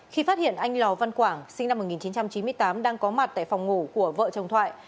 khi phát hiện anh lò văn quảng sinh năm một nghìn chín trăm chín mươi tám đang có mặt tại phòng ngủ của vợ chồng thoại